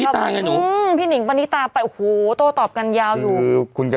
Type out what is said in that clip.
แซนดี้แนนี้น้องแซน